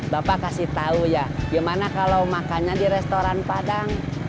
bapak kasih tahu ya gimana kalau makannya di restoran padang